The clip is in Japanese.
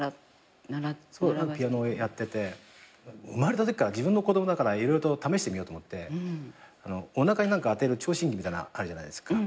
生まれたときから自分の子供だから色々と試してみようと思っておなかにあてる聴診器みたいなあるじゃないですか。